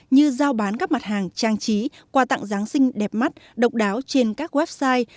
như giao bán các mặt hàng trang trí qua tặng giáng sinh đẹp mắt độc đáo trên các website